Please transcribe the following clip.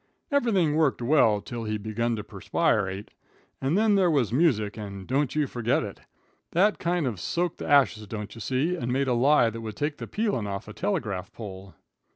Everything worked well till he begun to perspirate, and then there was music, and don't you forget it. That kind of soaked the ashes, don't you see, and made a lye that would take the peelin' off a telegraph pole.